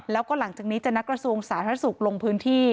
แล้วก็หลังจากนี้จะนักกระทรวงสาธารณสุขลงพื้นที่